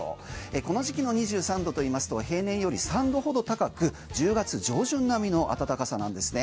この時期の２３度といいますと平年より３度ほど高く１０月上旬並みの暖かさなんですね。